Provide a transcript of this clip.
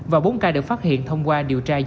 và bốn ca được phát hiện thông qua điều tra dịch tễ